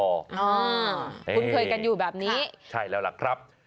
คุ้นเคยกันอยู่แบบนี้ใช่แล้วล่ะครับ